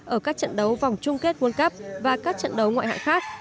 ở các trận đấu vòng chung kết quân cấp và các trận đấu ngoại hạ khác